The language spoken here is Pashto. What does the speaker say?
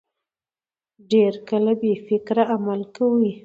ډېر کله بې فکره عمل کوي.